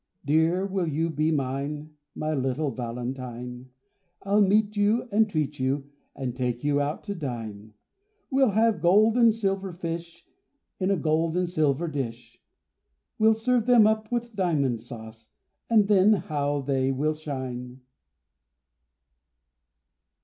Dear, will you be mine, My little Valentine? I'll meet you, and treat you, And take you out to dine. We'll have gold and silver fish In a gold and silver dish. We'll serve them up with diamond sauce And then how they will shine!